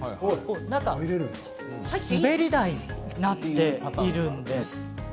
中、滑り台になっているんです。